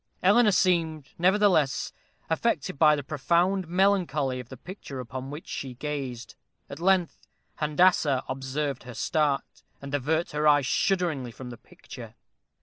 Eleanor seemed, nevertheless, affected by the profound melancholy of the picture upon which she gazed. At length, Handassah observed her start, and avert her eye shudderingly from the picture.